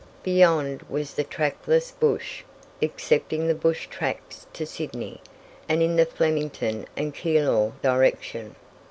Beyond was the trackless bush, excepting the bush tracks to Sydney, and in the Flemington and Keilor direction.